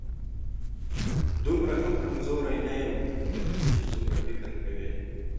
دومره هم کمزوری نه یم، لکه ته چې څومره فکر کوې